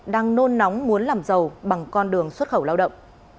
đang nôn nóng muốn làm giàu bằng con đường xuất khẩu lao động